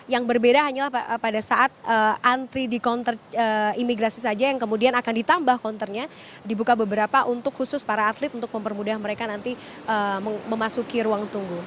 yang berbeda hanyalah pada saat antri di konter imigrasi saja yang kemudian akan ditambah counternya dibuka beberapa untuk khusus para atlet untuk mempermudah mereka nanti memasuki ruang tunggu